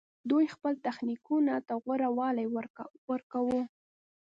دوی خپل تخنیکونو ته غوره والی ورکاوه